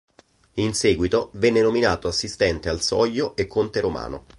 In seguito venne nominato assistente al soglio e conte romano.